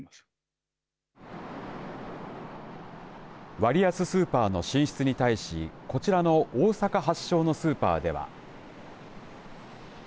割安スーパーの進出に対しこちらの大阪発祥のスーパーでは。